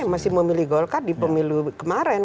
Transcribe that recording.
umumnya masih memilih golkar di pemilu kemaren